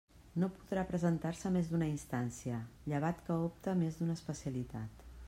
No podrà presentar-se més d'una instància, llevat que opte a més d'una especialitat.